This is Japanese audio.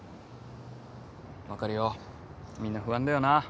分かるよみんな不安だよな。